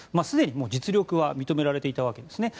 すでに実力はもう認められていたわけです。